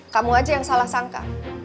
kamu aja yang salah sangka